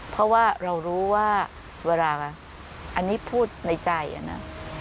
เพราะว่าเรารู้ว่าเวลาอันนี้พูดในใจนะ